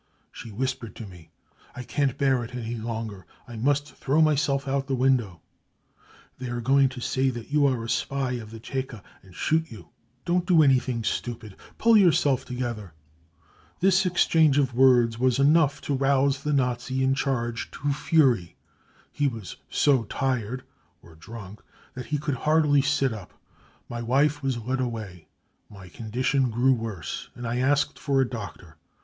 She whispered to me : 4 1 can't bear it any longer : I must throw myself out of the window ! They are going to say that you are a spy of the Cheka and shobt you ! 5 4 Don't do anything stupid, pull yourself together ! 5 This exchange of words was enough' to rouse the Na$i in charge to fury ; he was so tired (or drunk) that he BRUTALITY AND TORTURE 215 could liardly sit up. My wife v/as led away. My condi tion grew worse, and I asked for a doctor.